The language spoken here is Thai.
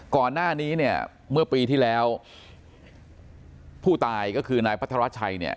ก่อนหน้านี้เนี่ยเมื่อปีที่แล้วผู้ตายก็คือนายพัทรชัยเนี่ย